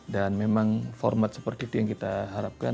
dan memang format seperti itu yang kita harapkan